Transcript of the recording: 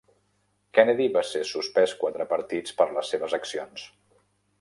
Kennedy va ser suspès quatre partits per les seves accions.